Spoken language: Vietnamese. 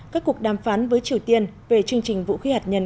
các cuộc đàm phán với triều tiên về chương trình vũ khí hạt nhân